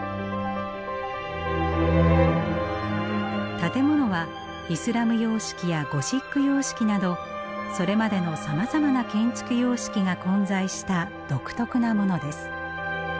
建物はイスラム様式やゴシック様式などそれまでのさまざまな建築様式が混在した独特なものです。